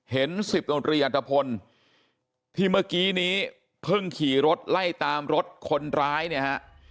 สิบดนตรีอัตภพลที่เมื่อกี้นี้เพิ่งขี่รถไล่ตามรถคนร้ายเนี่ยฮะ